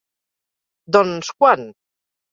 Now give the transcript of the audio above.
-Doncs, quan?